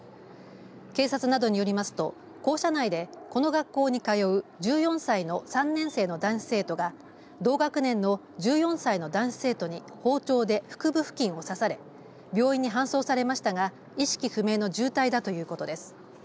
警察などによりますと、校舎内でこの学校に通う１４歳の３年生の男子生徒が同学年の１４歳の男子生徒に包丁で腹部付近を刺され病院に搬送されましたが意識不明の重体だということです。